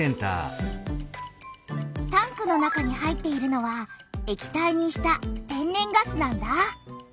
タンクの中に入っているのは液体にした天然ガスなんだ。